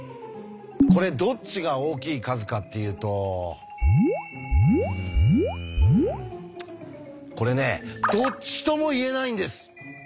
これどっちが大きい数かっていうとうんこれねどっちとも言えないんです！